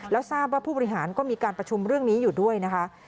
แล้วทราบว่าผู้บริหารก็มีการประชุมเรื่องนี้อยู่ด้วยนะคะ